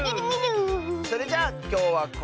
それじゃあきょうはここまで！